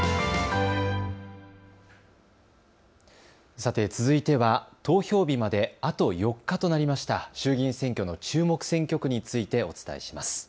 さて続いては投票日まであと４日となりました衆議院選挙の注目選挙区についてお伝えします。